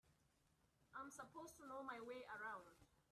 I'm supposed to know my way around.